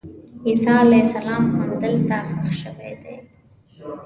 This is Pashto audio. عیسی علیه السلام همدلته ښخ شوی دی.